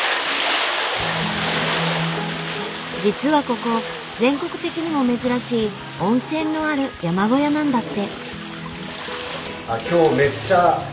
実はここ全国的にも珍しい温泉のある山小屋なんだって。